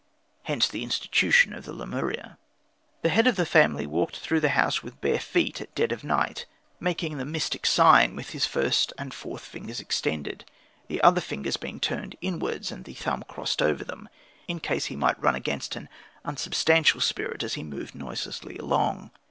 Hence the institution of the Lemuria. The head of the family walked through the house with bare feet at dead of night, making the mystic sign with his first and fourth fingers extended, the other fingers being turned inwards and the thumb crossed over them, in case he might run against an unsubstantial spirit as he moved noiselessly along.